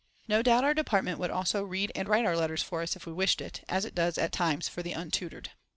No doubt our Department would also read and write our letters for us if we wished it, as it does, at times, for the untutored.